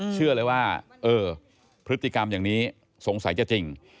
เชื่อเลยว่าเออพฤติกรรมอย่างนี้สงสัยจะจริง